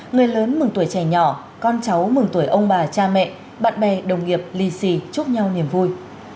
người lớn mừng tuổi trẻ nhỏ con cháu mừng tuổi ông bà cha mẹ bạn bè đồng nghiệp lì xì chúc nhau niềm vui